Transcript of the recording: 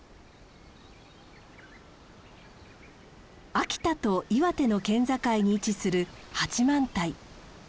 秋田と岩手の県境に位置する八幡平。